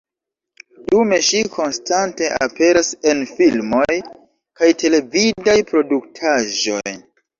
Dume ŝi konstante aperas en filmoj kaj televidaj produktaĵoj.